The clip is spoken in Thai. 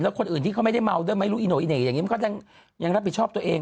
แล้วคนอื่นที่ไม่เบ้อเงินก็ยังรับผิดชอบตัวเอง